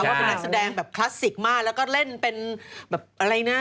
ว่าเป็นนักแสดงแบบคลาสสิกมากแล้วก็เล่นเป็นแบบอะไรนะ